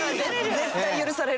絶対許される。